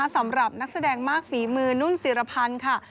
สำหรับนักแสดงมากฝีมือนุ่นศิรพันธ์ค่ะ